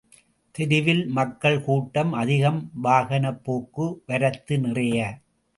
தெருவில், மக்கள் கூட்டம் அதிகம் வாகனப் போக்கு வரத்து நிறைய.